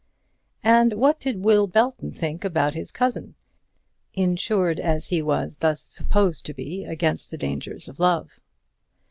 And what did Will Belton think about his cousin, insured as he was thus supposed to be against the dangers of love?